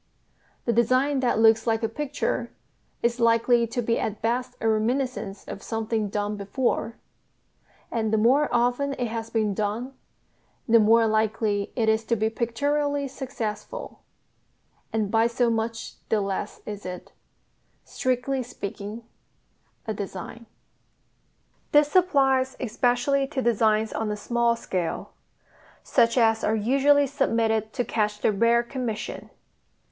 The design that looks like a picture is likely to be at best a reminiscence of something done before; and the more often it has been done the more likely it is to be pictorially successful and by so much the less is it, strictly speaking, a design. This applies especially to designs on a small scale, such as are usually submitted to catch the rare commission.